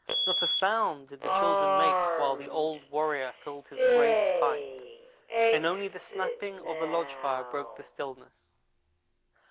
Not a sound did the children make while the old warrior filled his great pipe, and only the snapping of the lodge fire broke the stillness.